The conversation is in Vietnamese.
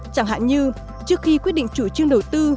chẳng hạn như trước khi quyết định chủ trương đầu tư